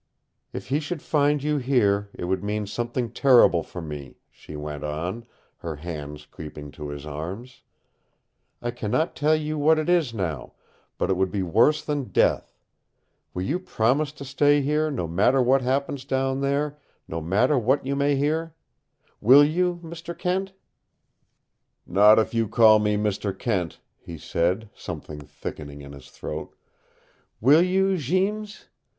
"If he should find you here, it would mean something terrible for me," she went on, her hands creeping to his arms. "I can not tell you what it is now, but it would be worse than death. Will you promise to stay here, no matter what happens down there, no matter what you may hear? Will you Mr. Kent?" "Not if you call me Mr. Kent," he said, something thickening in his throat. "Will you Jeems?